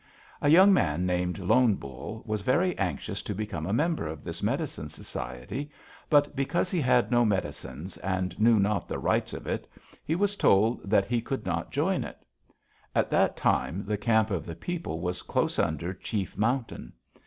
"A young man named Lone Bull was very anxious to become a member of this medicine society, but because he had no medicines and knew not the rites of it, he was told that he could not join it. At that time the camp of the people was close under Chief Mountain.